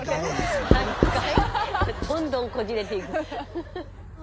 どんどんこじれていく。